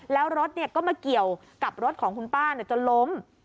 แล้วรถก็มาเกี่ยวกับรถของคุณป้าจนล้ม